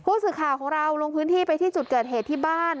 ผู้สื่อข่าวของเราลงพื้นที่ไปที่จุดเกิดเหตุที่บ้าน